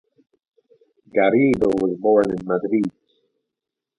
Garrido was born in Madrid.